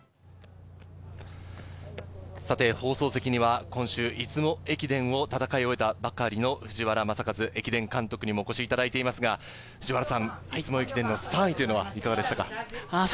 放送席には今週、出雲駅伝を戦い終えたばかりの藤原正和駅伝監督にもお越しいただいていますが、出雲駅伝の３位というのはいかがでしたか？